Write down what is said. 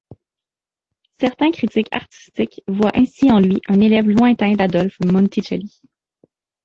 Certains critiques artistiques voient ainsi en lui un élève lointain d'Adolphe Monticelli.